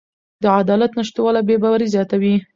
د عدالت نشتوالی بې باوري زیاتوي